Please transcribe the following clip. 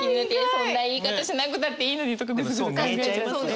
そんな言い方しなくたっていいのにとかぐずぐず考えちゃいますね。